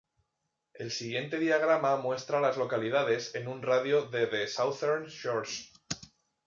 El siguiente diagrama muestra a las localidades en un radio de de Southern Shores.